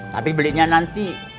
tapi belinya nanti